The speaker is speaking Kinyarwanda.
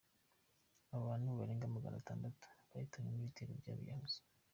Abantu barenga Maganatatu bahitanywe n’ibitero by’abiyahuzi